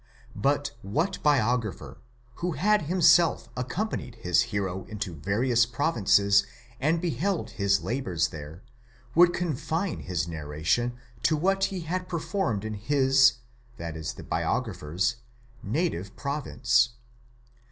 °® But what biographer, who had himself accompanied his hero into various provinces, and beheld his labours there, would confine his narration to what he had performed in his (the biographer's) native province?